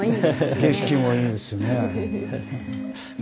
景色もいいですしね。